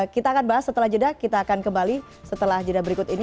kita akan bahas setelah jeda kita akan kembali setelah jeda berikut ini